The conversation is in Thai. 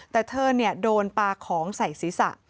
แต่เธอโดนปลาของใส่ศีรษะ